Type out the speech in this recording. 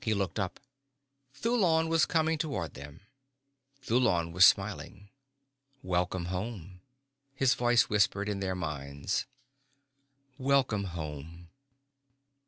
He looked up. Thulon was coming toward them. Thulon was smiling. "Welcome home," his voice whispered in their minds. "Welcome home."